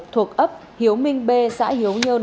thuộc ấp hiếu minh b xã hiếu nhơn